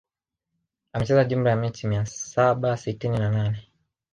Amecheza jumla ya mechi mia saba sitini na nane